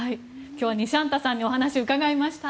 今日はにしゃんたさんにお話を伺いました。